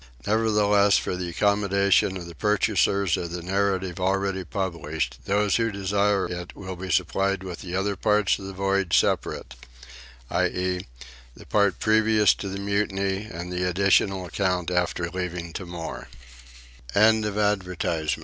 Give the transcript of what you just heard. Nevertheless for the accommodation of the purchasers of the Narrative already published those who desire it will be supplied with the other parts of the Voyage separate; i.e. the part previous to the mutiny and the additional account after leaving Timor. ... CONTENTS. CHAPTER 1. Plan of the Expedition.